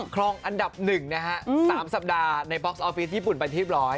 คลองอันดับ๑นะฮะ๓สัปดาห์ในบล็อกซออฟฟิศญี่ปุ่นไปเรียบร้อย